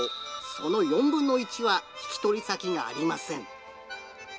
その４分の１は引き取り先がありません。